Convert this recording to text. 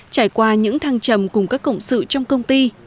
trải qua những thăng trầm cùng các cộng sự trong công ty